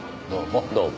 どうも。